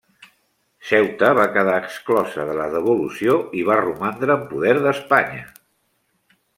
Ceuta va quedar exclosa de la devolució i va romandre en poder d'Espanya.